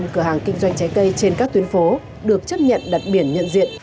một trăm cửa hàng kinh doanh trái cây trên các tuyến phố được chấp nhận đặt biển nhận diện